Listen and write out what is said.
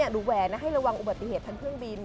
หนูแหวนนะให้ระวังอุบัติเหตุทั้งเครื่องบิน